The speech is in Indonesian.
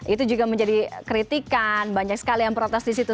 itu juga menjadi kritikan banyak sekali yang protes di situ